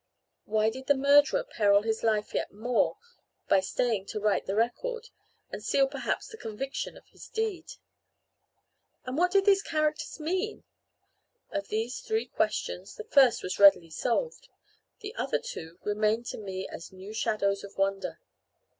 Why did the murderer peril his life yet more by staying to write the record, and seal perhaps the conviction of his deed? And what did these characters mean? Of these three questions, the first was readily solved. The other two remained to me as new shadows of wonder.